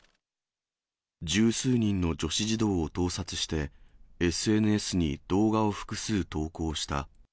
十数人の女子児童を盗撮して、ＳＮＳに動画を複数投稿した。